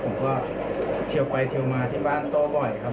ผมก็เทียวไปเทียวมาที่บ้านโต้บ่อยครับ